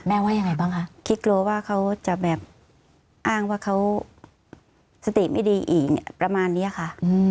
ว่ายังไงบ้างคะคิดกลัวว่าเขาจะแบบอ้างว่าเขาสติไม่ดีอีกประมาณนี้ค่ะ